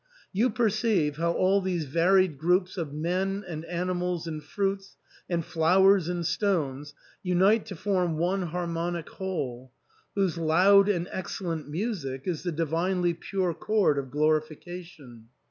You perceive how all these varied groups of men and animals and fruits and flowers and stones unite to form one harmonic whole, whose loud and excellent music is the divinely pure chord of glorification."